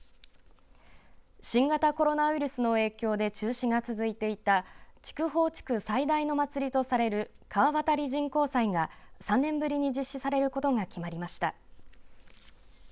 新型コロナウイルスの影響で中止が続いていた筑豊地区最大の祭りとされる川渡り神幸祭が３年ぶりに実施されることが決まりました。